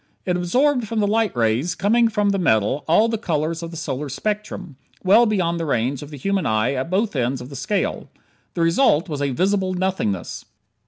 It absorbed from the light rays coming from the metal, all the colors of the solar spectrum, well beyond the range of the human eye at both ends of the scale. The result was a "visible nothingness."